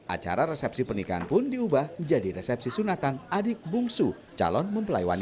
acara resepsi pernikahan pun diubah menjadi resepsi sunatan adik bung su calon mempelaiwan